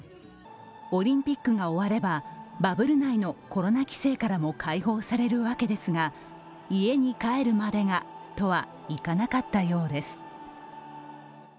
オリンピックが終わればバブル内のコロナ規制からも解放されるわけですが「家に帰るまでが」とはいかなかったようです。